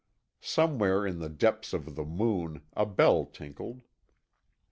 Somewhere in the depths of the Moon a bell tinkled.